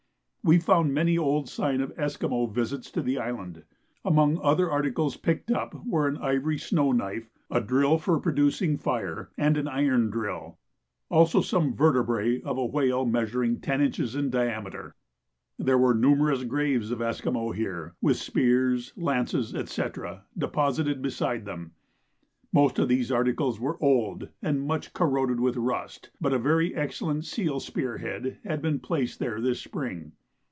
We found many old signs of Esquimaux visits to the island. Among other articles picked up were an ivory snow knife, a drill for producing fire, and an iron drill; also some vertebræ of a whale measuring ten inches in diameter. There were numerous graves of Esquimaux here, with spears, lances, &c. deposited beside them. Most of these articles were old and much corroded with rust, but a very excellent seal spear head had been placed there this spring.